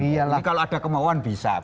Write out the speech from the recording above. kalau ada kemauan bisa